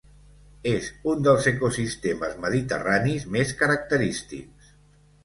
És un dels ecosistemes mediterranis més característics.